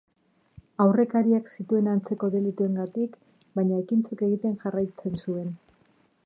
Aurrekariak zituen antzeko delituengatik, baina ekintzok egiten jarraitzen zuen.